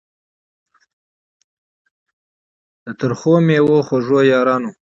د ترخو میو خوږو یارانو